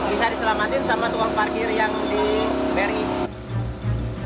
bisa diselamatkan oleh warga setempat yang diberi